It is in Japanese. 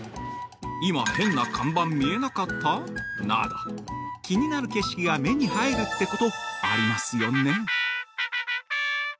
「今変な看板見えなかった！？」など、気になる景色が目に入るってことありますよね。